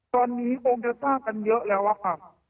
ตอนนี้อ้มพยาปันเยอะแล้วครับ